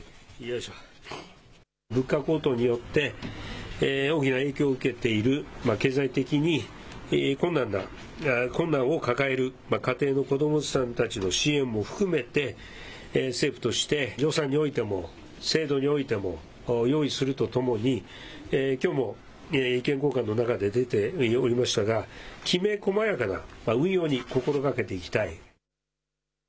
物価高騰によって大きな影響を受けている、経済的に困難を抱える家庭の子どもさんたちの支援を含めて政府として予算においても、制度においても用意するとともにきょうも意見交換の中で出ておりましたがきめ細やかな運用に心がけていきたい。